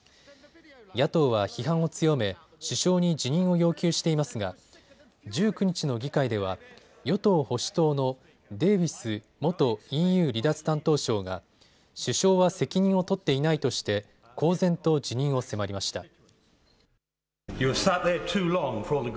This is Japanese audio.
野党は批判を強め首相に辞任を要求していますが１９日の議会では与党・保守党のデービス元ＥＵ離脱担当相が首相は責任を取っていないとして公然と辞任を迫りました。